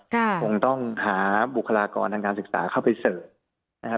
คงต้องหาบุคลากรทางการศึกษาเข้าไปเสิร์ฟนะครับ